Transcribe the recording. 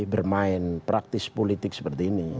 bermain praktis politik seperti ini